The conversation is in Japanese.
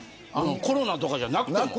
コロナとかじゃなくても。